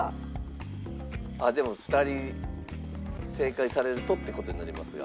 でも２人正解されるとって事になりますが。